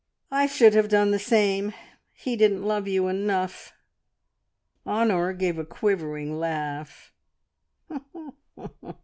"I should have done the same. He didn't love you enough." Honor gave a quivering laugh.